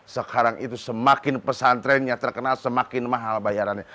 sekarang itu semakin pesantrennya terkenal semakin mahal bayarannya